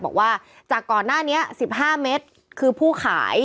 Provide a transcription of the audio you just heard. บอกว่าจากก่อนหน้านี้๑๕เมตรคือผู้ขาย